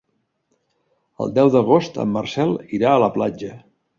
El deu d'agost en Marcel irà a la platja.